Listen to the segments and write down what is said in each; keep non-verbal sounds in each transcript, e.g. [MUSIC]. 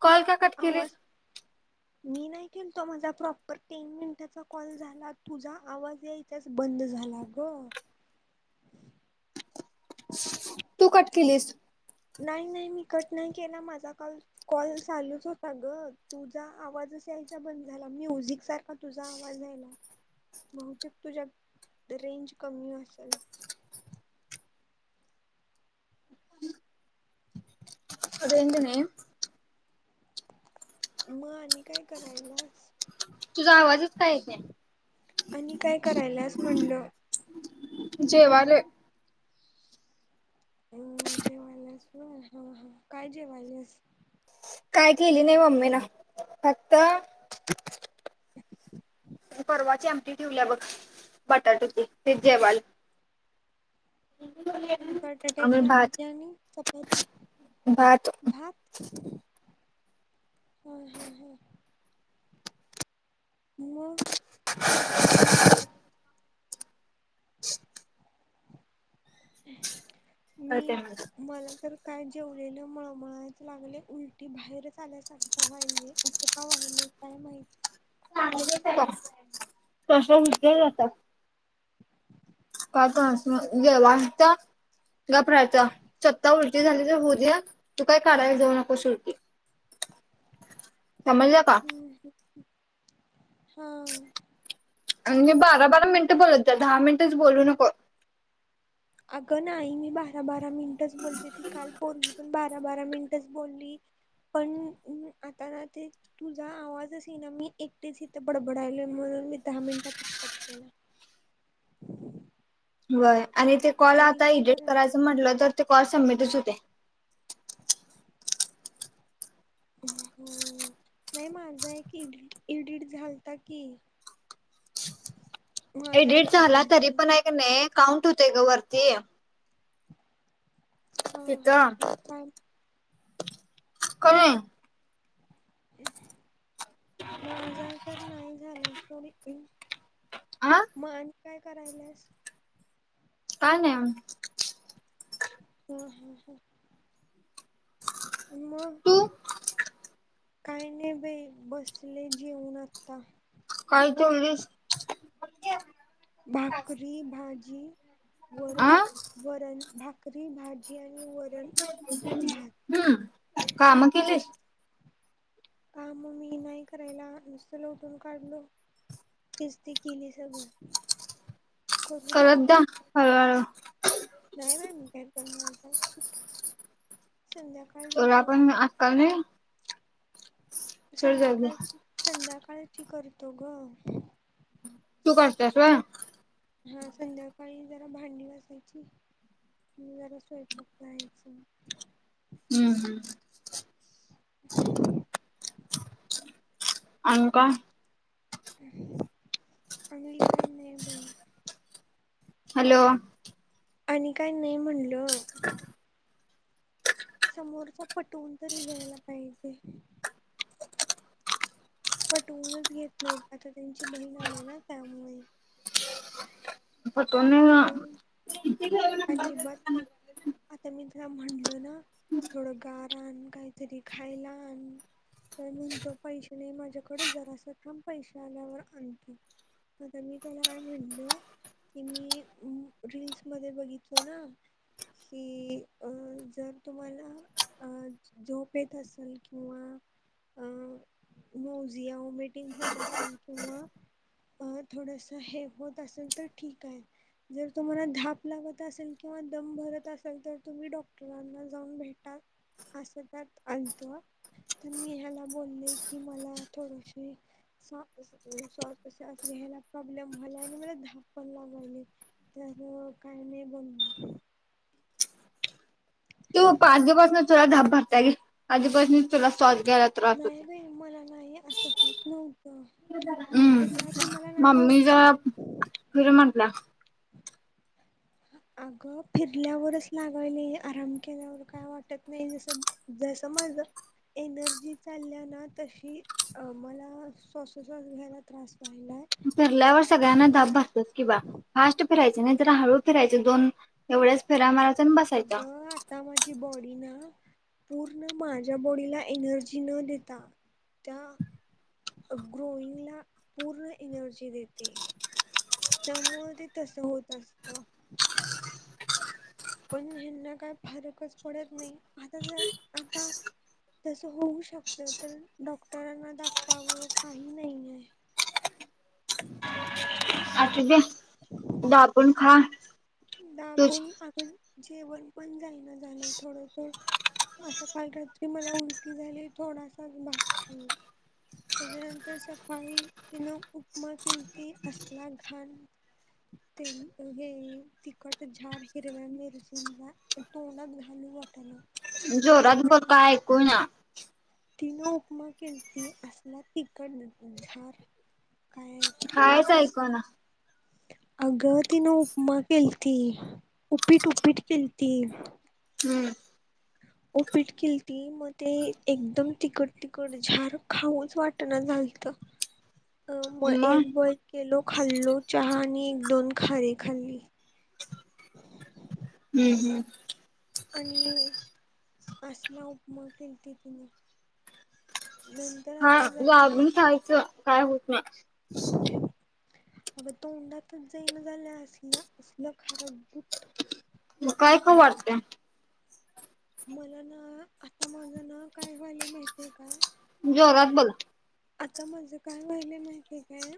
Call का cut केलीस? आवाज मी नाही केलतो माझा प्रॉपर तीन मिनिटाचा कॉल झाला तुझा आवाज याथच बंद झाला. लागो. तू कट केलीस. नाही नाही मी कट नाही केला माझा काल कॉल चालूच होता ग तुझा आवाज बंद झाला म्युझिक सारखा तुझा आवाज यायला. बहतेक तुझ्यात रेंज कमी असेल. अ रेंज नाय. मग आणि काय करायलास? तुझा आवाजच का येत नाही. आणि काय करायलाच म्हणलं? जेवाले. हम् जेवायलास व्हय हा हा काय जेवायलास? काय केली नाही मम्मीन फक्त परवाची आमटी ठीवल्या बघ बटाटोची ते जेवाल. आम्ही बटाट्याची आमटी आणि चपाती. पात हम्म हम्म हम्. म्हं आणि मी करते म्हणून मला तर काय जेवलेलं मळमळाच लागले उलटी बाहेरच आल्यासारखं व्हायले असं का व्हायले? काय माहीत? [UNINTELLIGIBLE] [INAUDIBLE] घाबरायचा स्वता उलटी झाली तर होऊ दे तू काय काढायला जाऊ नकोस उलटी. रिकामा ऑडिओ समजलं का? हा. म्हजे बारा बारा मिनिटं बोलत द दहा मिनिटच बोलू नको. अगं नाही मी बारा बारा मिनिटच बोलते ती काल पोरगी पन बारा बा बारा मिनिटच बोलली. पण आता ना ते तुझा आवाजच ये ना मी एकटेच इथं बडबडायलोय म्हनु मी दहा मिनिटातच कट केला. बय आणि ते कॉल आणि आता काय एडिट कराय करायचं म्हटलं तर ते कॉल सबमिटच होते. हो नाही माझा एकड एडिट झालता की.. रिकामा ऑडिओ एडिट झालाय तरी पण हाय कीं नाही काउंट होतय ग वरती. हा हा हा काय? का? रिकामा ऑडिओ माझा तर नाही झाला आ [UNINTELLIGIBLE] काय करायलास? काय नाहीं आम हम्. तू मग. काही नाही बाई बसले जेऊन आता. काय जेवलीस? भाकरी भाजी वर आ वरण भाकरी भाजी. आणि वरण भात. हम्म काम केलेस? का मग मी नाही करायला नुसतं ल उठून काढलो. इती किली सगळ. कर द ती करत जा पण हळूहळू नाही बा मी काय. [UNINTELLIGIBLE] तरआपण तेवढी आजकाल नाही. सोड जाऊ दे संध्याकाळची संध्याकाळची करतो ग. तू करतास व्हय. हा संध्याकाळी जरा भांडी घासायची म जरा स्वयंपाक करायच. हम्म हम्म. आनी का? अंग काय नाही बाई. हॅलो. आणि काय नाही म्हणल. समोरचा पटवून तरी घ्यायला पायजे. पटवूनच घेत नाहीत आता त्यांची बहीण आली ना त्यामुळे पटन पटवून नाय व्ह अजिबात नाही [UNINTELLIGIBLE] आता मी तुला म्हटल ना थोडं गार आण काहीतरी खायला आण. तर म्हणतो पैसे नाही माझ्याकडे जरास थांब पैसे आल्यावर आणतो. आता मी त्याला काय म्हटलं की मी... रीलल्स मध्ये बघितलो ना, कि अं जर तुम्हाला अ झोप येत असेल किंवा - अं मोझिया वोमेटिंग होत असेल किंवा अं थोडस हे होत असेल तर ठीक आहे जर तुम्हाला धाप लागत असेल किंवा दम भरत असेल तर तुम्ही डॉक्टरांना जाऊन भेटा अस त्यात आणतो तर मी ह्याला बोलले की मला थोडशी स वास श्वासोच्छ्वास घ्यायला प्रॉब्लेम व्हायला आणि मला धाप पण लागयले त्यामुळ काय नाही बगणार तू पाच दिवसूनच तुला धाप भरत्या घे अदिपासनच तुला [UNINTELLIGIBLE] नाही होते. बाई मला नाही असं होत नव - हम्म मम्मी ज होत फिर म्हटल्या [INAUDIBLE] अगं फिरल्यावरच लागयली आराम केल्यावर काय वाटत नाही जसं जसं माज एनर्जी चालल्या ना तशी मला सॉसोसास घ्यायला त्रास व्हालाय फिरल्यावर सगळ्यांना धाप [UNINTELLIGIBLE] कि बा फास्ट फिरायच नाइ जरा हळू फिरायचे दोन एवढ्याच फेऱ्या मारायच अगं आता माझी बॉडी ना पूर्ण माझ्या बॉडीला एनर्जी न देता त्या - ग्रोइंगला पूर्ण एनर्जी देते त्यामुळ ते तस होत असत पण ह्यांना काय फरकच पडत नाही आता जर आता तस होऊ शकत तर डॉक्टरांना दाखवावं काही नाहीये [INAUDIBLE] अछा [UNINTELLIGIBLE] खा तुझ दाबून अग जेवण पण जाईना झालंय थोडं थोड आता काल रात्री मला उलटी झाली थोडासाच भात खाल्ला त्याच्यानंतर सकाळी तिन उपमा किलती असला घाण ते हे तिकट झाार हिरव्या मिरचींचा तोंडात घालू वाटना जोरात बोल म का ऐकू इना तिनं उपमा केलती असला तिकड न झार काय खाऊच कायच ऐकू वाटणार इना अगं तिनं उपमा केलती उपीट उपीट केलती हम्म उपीट केल ती मग ते एकदम तिकट तिकट झाार खाऊच वाट ना झालत. अ मग एक ब केलो खाल्लो चहा आणि एक दोन खारीे खाल्ली. हम्म हम्म. आणि असला उपमा केलीती तिने नंतर हा आता जराशी गबून खहायचं काय होत ना अग तो उनडातच जाईन झाला असलं असलं खार गुट काय खूप वाटतंय मला ना आता माझं ना काय व्हायला माहिती जोरात बोलतो आता माझ काय वहिले माहितीय काय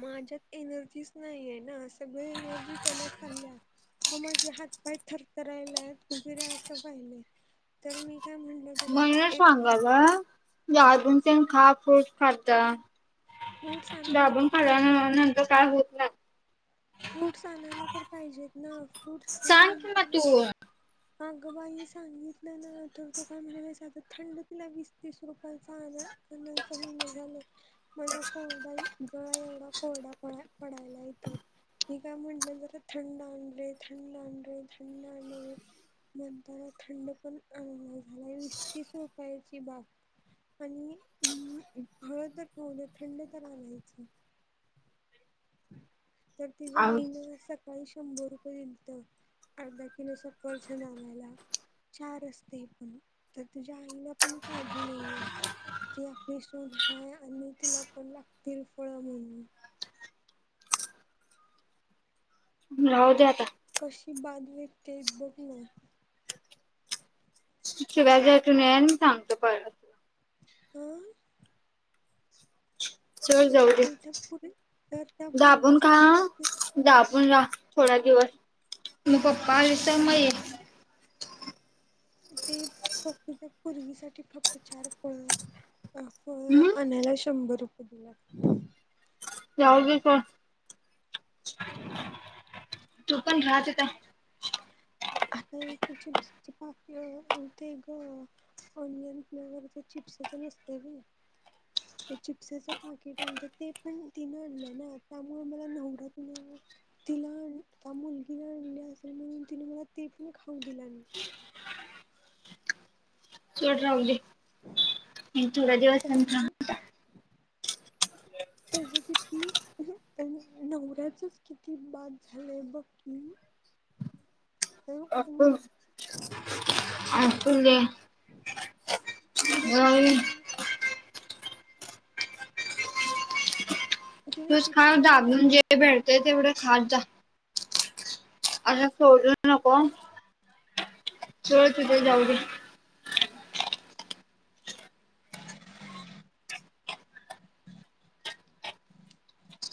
माझ्यात एनर्जीच नाहीये ना सगळ एनर्जी त्यालात खाल्ल्या व माझे हात पाय थरथरायला आहेत उभेरे असं पाहिले तर मी काय म्हणलं त्याला म्हणून च एक सांगालोय ज अजून पण खा फूट खातत फ्रूट्स आणायला दाबून तर फड नंतर काय होत ना रूटस आणायला तर पाहिजेतेत ना. सांग की मग तू अग बाई सांगितलं ना तर तो काय म्हणालासात थंड तिला वीस तीस रुपयाचा अ अचा होन झालाय माझा कोरडा सगळा एवढा कोरडा पड पडायला येतं. मी काय म्हटलं जरा थंड आण रे थंड आण रे थंड आण म्हणताना थंड पण झालाय विस्तीस रोपायाची बाग आणिम हळ तर पाहण थंड तर आणलायचं तर तिच्या्या आहो आईनं सकाळी शंभर रुपये दिलतं अर्धा किलो सफरचंद आणायला चार असते पण तर तुझ्या आईला पण काळजी नाहीये कि आपली सोन हाय आणि तिला पण लागतील फळ म्हणून ह् हौद आता कशी बाध वकते बघया त व्याजटून सांगतो पर तुला आम च जाऊ दे तर त्या पुरी तर त्या दाबून ख पोरगीसाठी फक्त दबून रा थोडा दिवस म पप्पा विस मय ते फक्त त्या पूर्वीसाठीठी फक्त चार फळ अ हम्म आणयला शंभर रुपये दिला यावगे का हम् तू पण घत होता आता एक चिप्स पाकीते ग ऑनलान प्र चिप्सच नसते का ते चिप्सच पाकिट आलंत ते पण तिनं आणलं ना त्यामुळे मला नव तु तिला आण त्या मुलगीला आणली असेल म्हणून तिने मला ते पण खाऊ दिला सोड राहुदे थोडा दिवस नंतर [INAUDIBLE] त्याचे किती नवऱ्याचच किती बाद झालंय बघ की अण. तज तिर फ तिने तूच खा चिप्स आणून जाून जे टाकले भेटते तेवढं खाात जा असं सोडू नको च तुझे जाऊ दे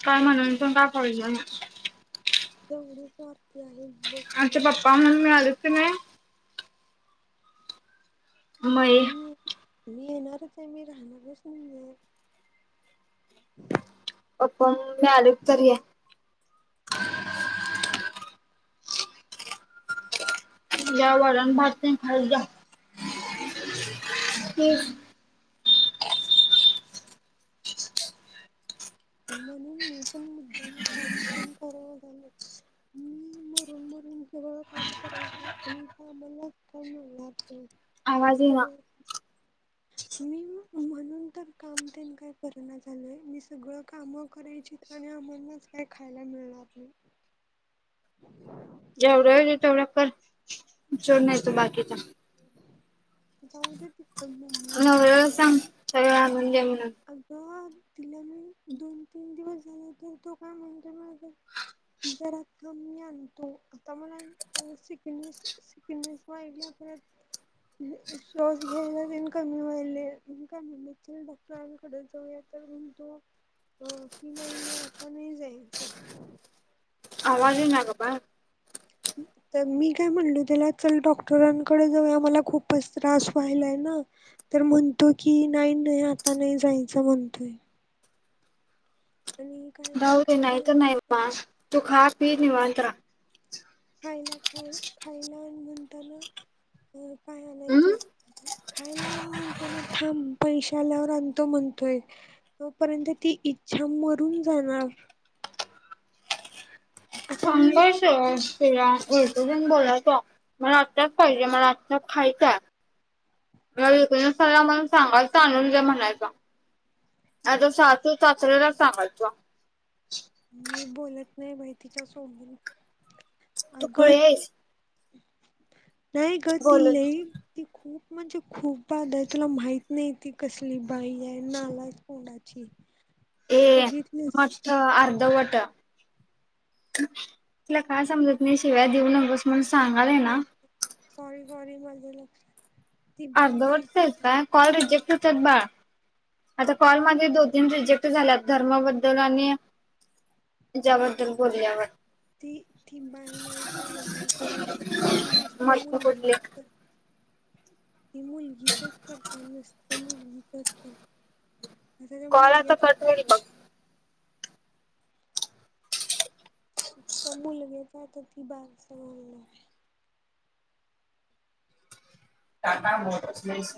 काय म्हणून पण काय फायदा नाय. केवडी स्वार्थी आहे? आमचे पप्पा मम्मी आलेत का नाय मई जाणारच आहे मी. राहणार चं नाहीये. पण मी आले तरी ज वरण भात तेन खायजा जा. ह. [INAUDIBLE] मी म्हरून मरून सगळं काम करायच आणि आम्हालाच काल मिळणार? नाही आवाज इना. सगळं मी म्हणून तर काम तेन काय करणा झालोय, मी सगळं कामं करायचीत आणि आम्हानाच काय खायला मिळणार नाही. जेवढा होतय तेवढ्या कर सोड नाही तर बाकीचं. जाऊदे तिथं बोंबलत. सगळ म्हणजे अगं तिला मी दोन तीन दिवस झाल तर तो काय म्हणतोय माहितीय काय? जरा थांब मी आणतो आता मला सिकनेस सिकनेस व्हायल्या श्वास घ्याला तेन कमी व्हायलंय. मी काय म्हणलं चल दाखवूया टरानकडं जाऊया तर म्हणतो अ कि नाही-नाही आता नाही जायचं आवाजे येना गं बाय तर मी काय म्हणलो त्याला चल डॉक्टरांकडे जाऊया मला खूपच त्रास व्हायलाय ना तर म्हणतो कि नाही-नाही आता नाही जायचं म्हणतय. काहीतरी जाऊ दे खायला नाही तर नाही, मा आणताना तू खा, पी निवांत रा. खायला खाय खायला आन म्हणताना, अ काय आनायचं हम्म असत खायला आन म्हणताना थांब पैशे आल्यावर आणतो म्हणतोय. तोपर्यंत ती इ छान मारून जाणार. आता मी सघर्ष ती असला. उलटं तेन बोलायचं मला आत्ताच पाहिजे, मला आत्ता खायचंय. मला विकनेस आलाय म्हणून सांगायचं आणून दे म्हणायचं. आता सा तू साचऱ्याला सांगायचं. मी बोलत नाही बाई तिच्या सोबत तू अगं खुळी आहेस नाही गं ति बोलून. लई ती खूप म्हणजे खूप बाध हाय. तुला माहित नाही ती कसली बाई ये. नालायक तोंडाची. ची. ए मस्ठ अर्ध वट त काय समजत नाही शिव्यादिऊ नगोस सांगालय ना? सॉरी-सॉरी मज लक्ष ती बाई अर्धवट नाही केलताय कॉल रिजेक्ट हुत्यात बाळा. आता कॉलमध्ये दोन-तीन रिजेक्ट झाल्यात धर्माबद्दल आणि हय ज्या बद्दल बोलल्यावर ती ती बाई नाही चांगली गं ती नुसतं मस्त मुलगी कुठले ही मुलगीचच करत्या, नुसतं मुलगीचचं करत्या. कॉल अता कट हुईल बघ इतं मुलगे काय तर ती बारसं घालणाराय- टाटा मोठर्स नाहीस